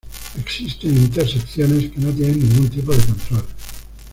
Existen intersecciones que no tienen ningún tipo de control.